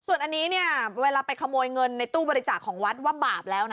ส่วนอันนี้เนี่ยเวลาไปขโมยเงินในตู้บริจาคของวัดว่าบาปแล้วนะ